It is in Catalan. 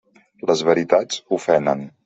Les veritats ofenen.